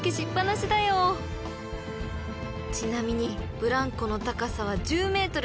［ちなみにブランコの高さは１０ｍ］